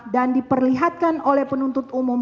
dan diperlihatkan oleh penuntut umum